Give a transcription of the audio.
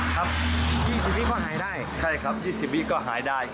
ครับยี่สิบวิก็หายได้ใช่ครับยี่สิบวิก็หายได้